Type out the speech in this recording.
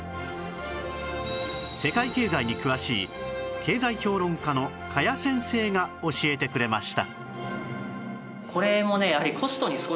世界経済に詳しい経済評論家の加谷先生が教えてくれました